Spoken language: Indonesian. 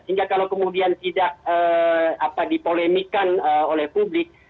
sehingga kalau kemudian tidak dipolemikan oleh publik